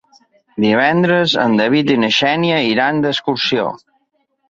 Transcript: Divendres en David i na Xènia iran d'excursió.